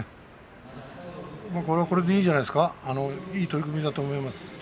これはこれでいいんじゃないですか、いい取組だと思います。